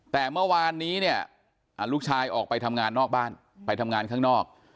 แต่เมื่อวานนี้เนี่ยลูกชายออกไปทำงานนอกบ้านไปทำงานข้างนอก